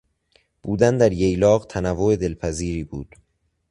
بودن در ییلاق تنوع دلپذیری بود.